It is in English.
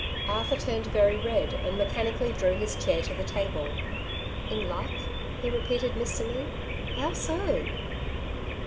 93 Arthur turned very red, and mechanically drew his chair to the table. '' In luck ?'' he repeated mistily. '' How so